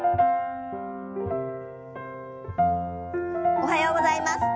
おはようございます。